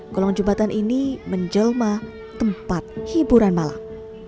kolong jembatan ini menjelma tempat hiburan malam